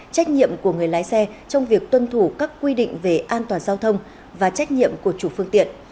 trách nhiệm của người lái xe trong việc tuân thủ các quy định về an toàn giao thông và trách nhiệm của chủ phương tiện